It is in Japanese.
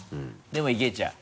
でもいけちゃう？